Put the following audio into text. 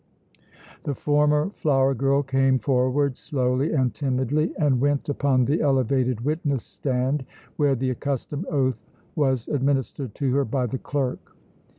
The former flower girl came forward, slowly and timidly, and went upon the elevated witness stand, where the accustomed oath was administered to her by the clerk.